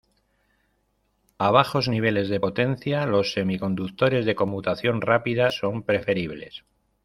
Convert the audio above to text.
A bajos niveles de potencia los semiconductores de conmutación rápida son preferibles.